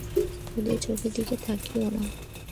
ওদের চোখের দিকে তাকিয়ো না।